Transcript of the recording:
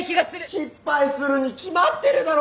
失敗するに決まってるだろ！